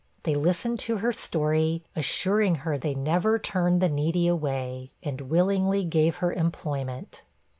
They listened to her story, assuring her they never turned the needy away, and willingly gave her employment.